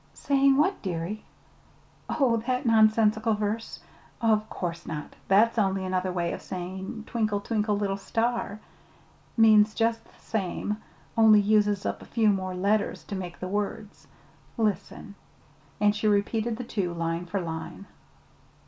"Saying what, dearie? oh, that nonsensical verse? Of course not! That's only another way of saying 'twinkle, twinkle, little star.' Means just the same, only uses up a few more letters to make the words. Listen." And she repeated the two, line for line.